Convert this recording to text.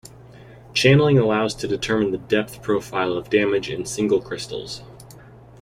Channeling allows to determine the depth profile of damage in single crystals.